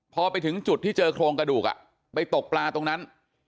พอไปถึงจุดที่เจอโครงกระดูกไปตกปลาตรงนั้น